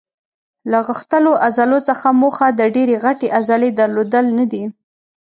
له غښتلو عضلو څخه موخه د ډېرې غټې عضلې درلودل نه دي.